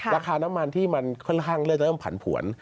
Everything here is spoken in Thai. ราคาน้ำมันที่มันค่อนข้างจะเริ่มผันผวน